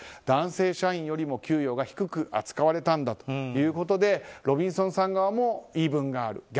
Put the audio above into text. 男性社員よりも給与が低く扱われたんだということでロビンソンさん側も言い分がある。